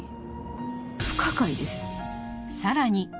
さらに